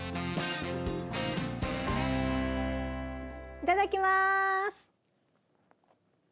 いただきます！